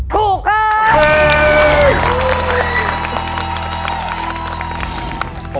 ถูกครับ